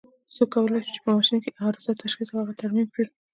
څوک کولای شي چې په ماشین کې عارضه تشخیص او هغه ترمیم کړي؟